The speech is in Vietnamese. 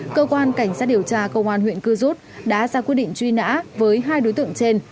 cơ quan cảnh sát điều tra công an huyện cư rút đã ra quyết định truy nã với hai đối tượng trên